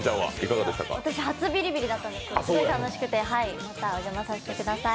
私、初ビリビリだったんですけどすごく楽しくてまたお邪魔させてください。